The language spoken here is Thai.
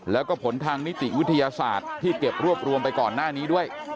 แล้วก็ผลทางนิติวิทยาศาสตร์ที่เก็บรวบรวมไปก่อนหน้านี้ด้วย